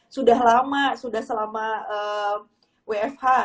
sudah lama sudah selama wfh